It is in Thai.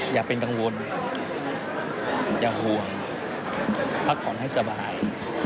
อย่าเป็นกังวลอย่าห่วงพักผ่อนให้สบาย